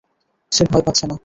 সে ভয় পাচ্ছে না।